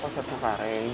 oh pasar tengkareng